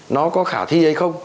nó có khả thi hay không